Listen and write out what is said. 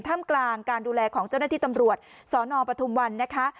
มกลางการดูแลของเจ้าหน้าที่ตำรวจสนปทุมวันนะคะ